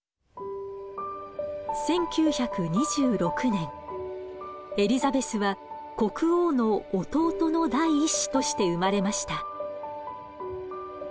１９２６年エリザベスは国王の弟の第一子として生まれました。